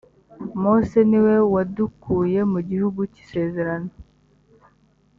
mose niwe wadukuye mu gihugu cyisezezerano.